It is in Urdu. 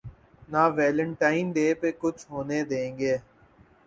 نہ ویلٹائن ڈے پہ کچھ ہونے دیں گے۔